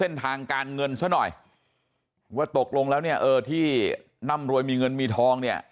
เช่นทางการเงินเสียหน่อยว่าตกลงแล้วที่นั่มรวยมีเงินมีทองเนี่ย